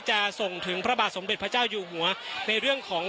จะส่งถึงพระบาทสมเด็จพระเจ้าอยู่หัวในเรื่องของ